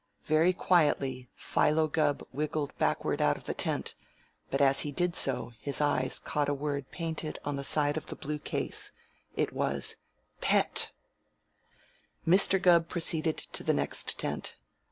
Very quietly Philo Gubb wiggled backward out of the tent, but as he did so his eyes caught a word painted on the side of the blue case. It was "Pet"! Mr. Gubb proceeded to the next tent.